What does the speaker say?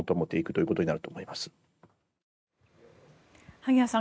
萩谷さん